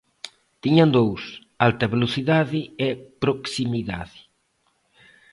Tiñan dous: alta velocidade e proximidade.